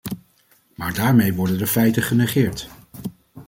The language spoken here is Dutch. Maar daarmee worden de feiten genegeerd.